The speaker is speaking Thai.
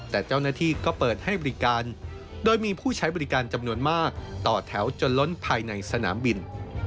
แต่เจ้าหน้าที่ก็เปิดให้บริการโดยมีผู้ใช้บริการจำนวนมากต่อแถวจนล้นภายในสนามบิน